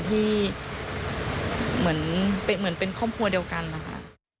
ที่เหมือนเป็นครอบครัวเดียวกันนะคะ